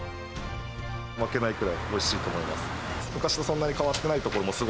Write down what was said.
負けないくらいおいしいと思います。